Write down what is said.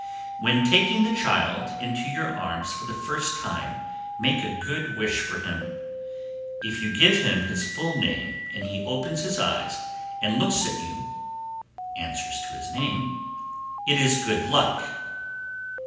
When taking the child into your arms for the first time, make a good wish for him; if you give him his full name and he opens his eyes and looks at you (answers to his name), it is good luck.